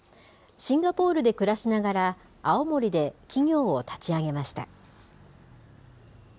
シンガポールで暮らしながら、青森で企業を立ち上げました。